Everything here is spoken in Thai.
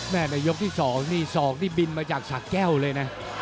แม่ในยกที่สองนี่สอกนี่บินมาจากสักแก้วเลยนะ